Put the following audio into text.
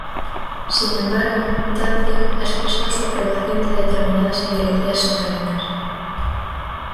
Sin embargo, Danzig ha expresado su aprobación de determinadas ideologías satánicas.